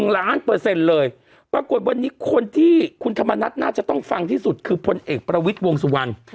ล้านเปอร์เซ็นต์เลยปรากฏวันนี้คนที่คุณธรรมนัฐน่าจะต้องฟังที่สุดคือพลเอกประวิทย์วงสุวรรณ